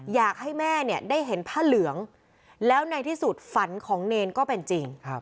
อยากให้แม่เนี่ยได้เห็นผ้าเหลืองแล้วในที่สุดฝันของเนรก็เป็นจริง